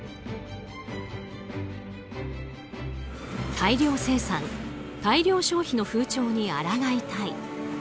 大量生産・大量消費の風潮に抗いたい。